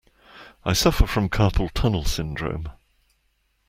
I suffer from carpal tunnel syndrome.